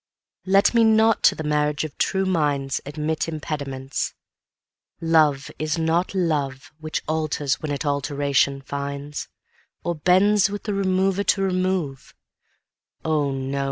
CXVI Let me not to the marriage of true minds Admit impediments. Love is not love Which alters when it alteration finds, Or bends with the remover to remove: O, no!